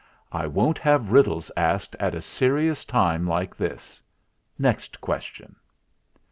"I won't have riddles asked at a serious time like this. Next question."